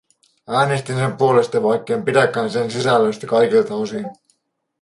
Äänestin sen puolesta, vaikken pidäkään sen sisällöstä kaikilta osin.